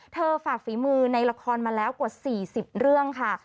ฝากฝีมือในละครมาแล้วกว่า๔๐เรื่องค่ะ